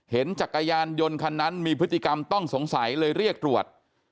จักรยานยนต์คันนั้นมีพฤติกรรมต้องสงสัยเลยเรียกตรวจ